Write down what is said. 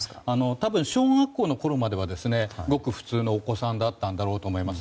多分、小学校のころまではごく普通のお子さんだったんだろうと思います。